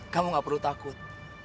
kamu nggak perlu takut